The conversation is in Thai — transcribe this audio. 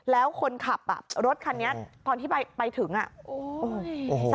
แล้วคนขับรถอ่ะรถคันนี้ตอนที่ไปถึงอ่ะโอ้โห